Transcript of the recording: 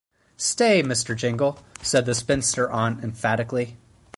‘Stay, Mr. Jingle!’ said the spinster aunt emphatically.